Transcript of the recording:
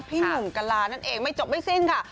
พี่หนุ่มกะลานั่นเองไม่จบไม่สิ้นค่ะ